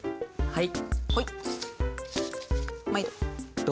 はい。